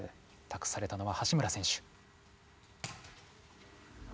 たくされたのは橋村選手。